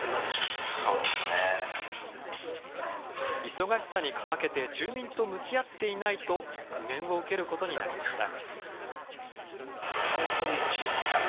忙しさにかまけて住民と向き合っていないと苦言を受けることになりました。